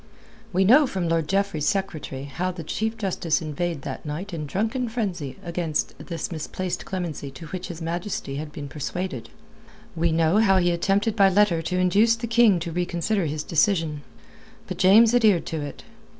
We know from Lord Jeffreys's secretary how the Chief Justice inveighed that night in drunken frenzy against this misplaced clemency to which His Majesty had been persuaded. We know how he attempted by letter to induce the King to reconsider his decision. But James adhered to it.